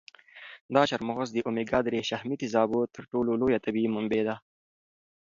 دا چهارمغز د اومیګا درې شحمي تېزابو تر ټولو لویه طبیعي منبع ده.